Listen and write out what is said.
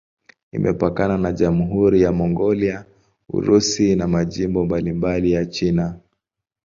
Imepakana na Jamhuri ya Mongolia, Urusi na majimbo mbalimbali ya China.